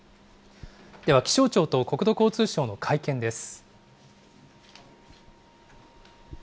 では気象庁と国土交通省の会見です。